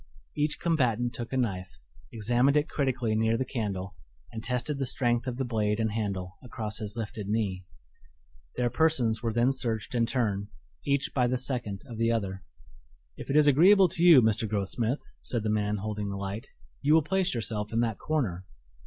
Each combatant took a knife, examined it critically near the candle and tested the strength of the blade and handle across his lifted knee. Their persons were then searched in turn, each by the second of the other. "If it is agreeable to you, Mr. Grossmith," said the man holding the light, "you will place yourself in that corner."